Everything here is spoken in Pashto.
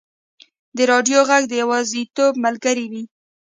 د راډیو ږغ د یوازیتوب ملګری وي.